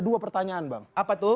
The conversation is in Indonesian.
dua pertanyaan bang apa tuh